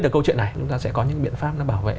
từ câu chuyện này chúng ta sẽ có những biện pháp nó bảo vệ